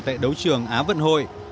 tại đấu trường á vận hội